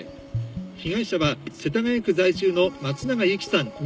被害者は世田谷区在住の松永由貴さん２６歳。